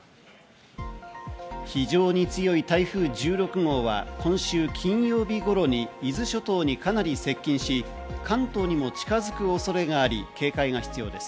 非常に強い台風１６号は今週金曜日頃に伊豆諸島にかなり接近し、関東にも近づく恐れがあり、警戒が必要です。